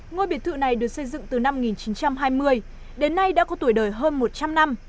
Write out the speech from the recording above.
ngôi biệt thự này được xây dựng từ năm một nghìn chín trăm hai mươi đến nay đã có tuổi đời hơn một trăm linh năm